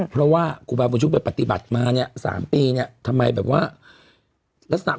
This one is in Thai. เพราะว่าครูบาบุญชุ่มไปปฏิบัติมา๓ปีทำไมแบบว่า